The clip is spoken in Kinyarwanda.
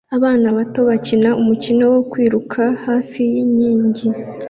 Abana bato bakina umukino wo kwiruka hafi yinkingi